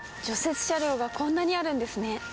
雪車両がこんなにあるんですね。